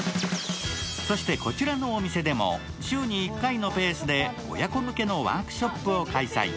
そしてこちらのお店でも週に１回のペースで親子向けのワークショップを開催。